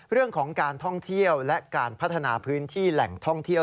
เรื่องของการท่องเที่ยวและการพัฒนาพื้นที่แหล่งท่องเที่ยว